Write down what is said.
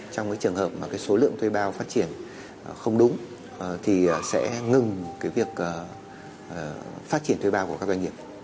trong cái trường hợp mà cái số lượng thuê bao phát triển không đúng thì sẽ ngừng cái việc phát triển thuê bao của các doanh nghiệp